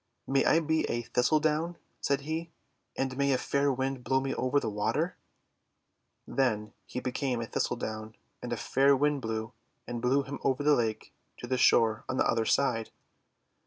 'May I be a Thistledown," said he, :'and mav a fair Wind blow me over the water!' t/ Then he became a Thistledown, and a fair Wind blew, and blew him over the lake to the shore on the other side.